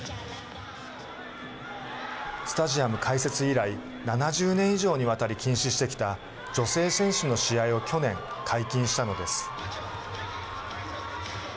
スタジアム開設以来７０年以上にわたり禁止してきた女性選手の試合を去年解禁したのです。